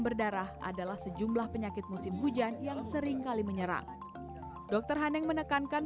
berdarah adalah sejumlah penyakit musim hujan yang seringkali menyerang dokter haneng menekankan